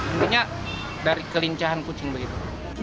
intinya dari kelincahan kucing begitu